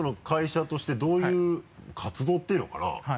会社としてどういう活動っていうのかな？